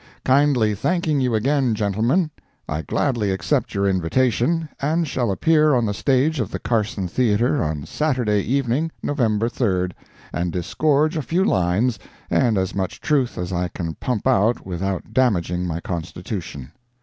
Kindly thanking you again, gentlemen, I gladly accept your invitation, and shall appear on the stage of the Carson Theatre on Saturday evening, November 3d, and disgorge a few lines and as much truth as I can pump out without damaging my constitution.